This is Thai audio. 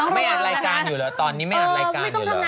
ไม่อ่านรายการอยู่เหรอตอนนี้ไม่อ่านรายการอยู่เหรอ